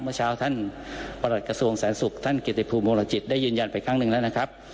เมื่อเช้าท่านประหลัดกระทรวงแสนสุขท่านเกียรติภูมิวงรจิตได้ยืนยันไปครั้งหนึ่งแล้วนะครับ